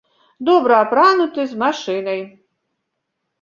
Добра апрануты, з машынай.